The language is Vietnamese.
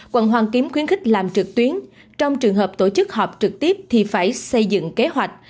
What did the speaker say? quận hoàn kiếm khuyến khích làm trực tuyến trong trường hợp tổ chức họp trực tiếp thì phải xây dựng kế hoạch